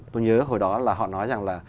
tôi nhớ hồi đó là họ nói rằng là